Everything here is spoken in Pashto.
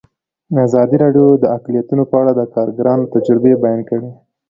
ازادي راډیو د اقلیتونه په اړه د کارګرانو تجربې بیان کړي.